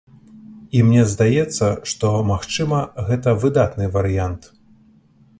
І мне здаецца, што, магчыма, гэта выдатны варыянт.